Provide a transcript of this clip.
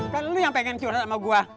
kan lu yang pengen curhat sama gue